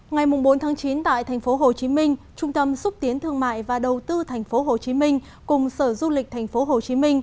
ngày bốn chín tại tp hcm trung tâm xúc tiến thương mại và đầu tư tp hcm cùng sở du lịch tp hcm